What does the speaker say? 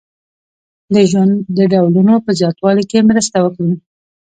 د ژوند د ډولونو په زیاتوالي کې مرسته وکړي.